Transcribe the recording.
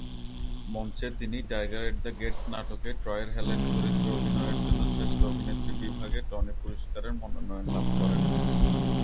মঞ্চে তিনি "Tiger at the Gates" নাটকে ট্রয়ের হেলেন চরিত্রে অভিনয়ের জন্য শ্রেষ্ঠ অভিনেত্রী বিভাগে টনি পুরস্কারের মনোনয়ন লাভ করেন।